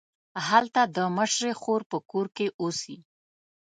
هلته د مشرې خور په کور کې اوسي.